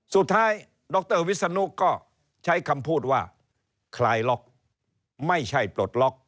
สุดท้ายดรวิศนุก็ใช้คำพูดว่าคลายล็อกไม่ใช่ปลดล็อก